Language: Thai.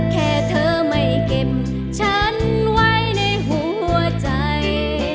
แค่เธอไม่เก็บฉันไว้ในหัวใจ